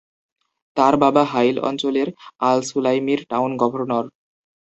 তার বাবা হাইল অঞ্চলের আল-সুলাইমির টাউন গভর্নর।